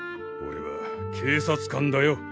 おれは警察官だよ。